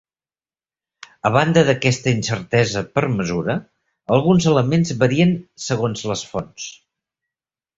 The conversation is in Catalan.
A banda d'aquesta incertesa per mesura, alguns elements varien segons les fonts.